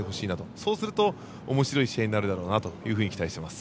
そうするとおもしろい試合になるだろうなと期待しています。